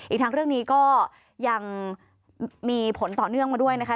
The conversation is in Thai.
อีกทั้งเรื่องนี้ก็ยังมีผลต่อเนื่องมาด้วยนะคะ